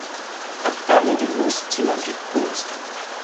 Adkavet em eus ti ma zud-kozh.